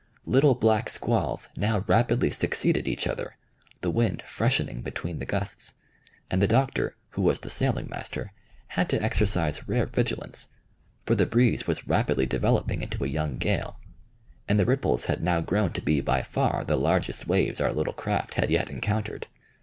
Little black squalls now rapidly succeeded each other, the wind freshening between the gusts; and the Doctor, who was the sailing master, had to exercise rare vigilance, for the breeze was rapidly developing into a young gale, and the ripples had now grown to be by far the largest waves our little craft had yet encountered.